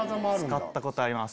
使ったことあります。